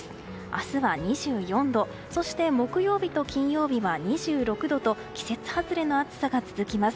明日は２４度そして木曜日と金曜日は２６度と季節外れの暑さが続きます。